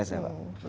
itu luar biasa pak